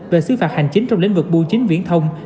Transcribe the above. về xứ phạt hành chính trong lĩnh vực bưu chính viễn thông